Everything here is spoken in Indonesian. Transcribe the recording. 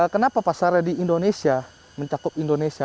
kenapa pasarnya di indonesia mencakup indonesia